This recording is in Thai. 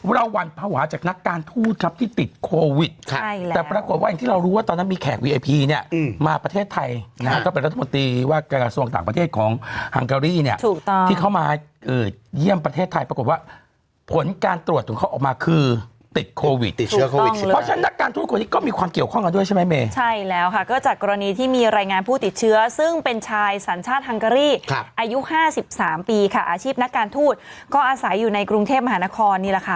เราวันภาวะจากนักการทูตครับที่ติดโควิดแต่ปรากฏว่าอย่างที่เรารู้ว่าตอนนั้นมีแขกวีไอพีเนี่ยมาประเทศไทยก็เป็นรัฐมนตรีว่ากระยะส่วนต่างประเทศของฮังกะรี่เนี่ยที่เข้ามาเยี่ยมประเทศไทยปรากฏว่าผลการตรวจถึงเขาออกมาคือติดโควิดติดเชื้อโควิดเพราะฉะนั้นนักการทูตกว่านี้ก